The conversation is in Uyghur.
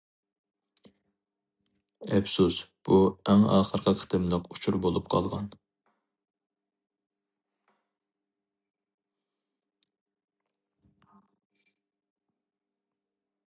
ئەپسۇس، بۇ ئەڭ ئاخىرقى قېتىملىق ئۇچۇر بولۇپ قالغان.